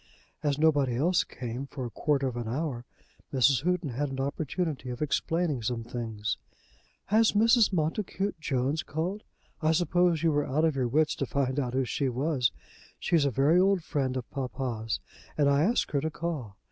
As nobody else came for a quarter of an hour Mrs. Houghton had an opportunity of explaining some things. "Has Mrs. Montacute Jones called? I suppose you were out of your wits to find out who she was. She's a very old friend of papa's, and I asked her to call.